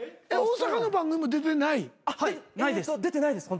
大阪の番組も出てない？